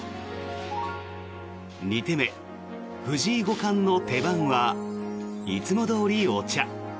２手目、藤井五冠の手番はいつもどおりお茶。